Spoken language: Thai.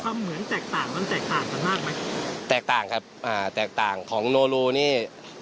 เหมือนแตกต่างมันแตกต่างกันมากไหมแตกต่างครับอ่าแตกต่างของโนรูนี่